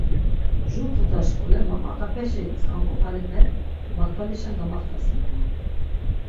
Jur tuta şk̆ule maqaqepeşi tzk̆ank̆op̆alipe makvalişen gamaxtasinonan.